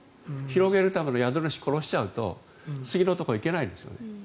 広げるための宿主を殺しちゃうと次のところへ行けないんです。